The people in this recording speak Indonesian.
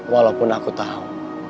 walaupun aku tahu